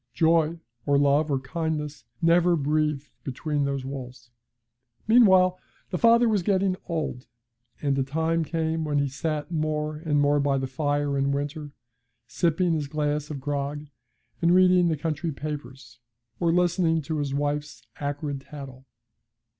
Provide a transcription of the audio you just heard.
Joy, or love, or kindness, never breathed between those walls. Meanwhile, the father was getting old, and a time came when he sat more and more by the fire in winter, sipping his glass of grog and reading the country papers, or listening to his wife's acrid tattle.